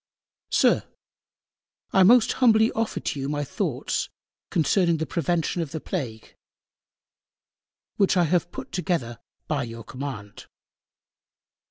SIR, I Most humbly offer to You my Thoughts concerning the Prevention of the Plague, which I have put together _by your Command.